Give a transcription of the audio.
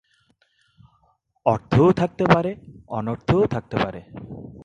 অর্থও থাকতে পারে অনর্থও থাকতে পারে।